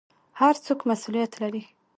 هر څوک مسوولیت لري